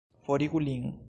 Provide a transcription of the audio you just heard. Forigu lin!